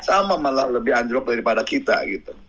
sama malah lebih anjlok daripada kita gitu